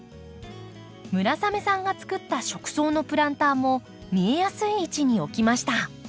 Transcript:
村雨さんが作った食草のプランターも見えやすい位置に置きました。